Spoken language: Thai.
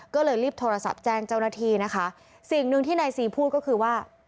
ก็เลยรีบโทรศัพท์แจ้งเจ้าหน้าที่นะคะสิ่งหนึ่งที่นายซีพูดก็คือว่า